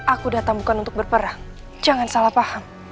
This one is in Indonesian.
aku datang bukan untuk berperang jangan salah paham